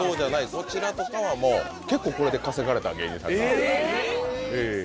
こちらとかはもう結構これで稼がれた芸人さんが。